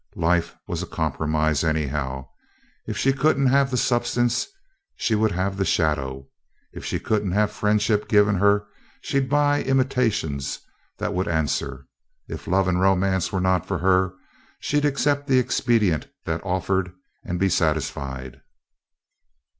Life was a compromise anyhow. If she couldn't have the substance, she would have the shadow. If she couldn't have friendships given her, she'd buy imitations that would answer. If love and romance were not for her, she'd accept the expedient that offered and be satisfied!